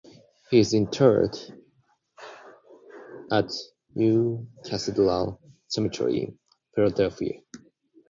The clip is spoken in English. He is interred at New Cathedral Cemetery in Philadelphia.